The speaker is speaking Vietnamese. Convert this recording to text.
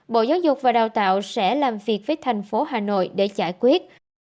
bộ giáo dục và đào tạo sẽ làm việc với thành phố hà nội để giải quyết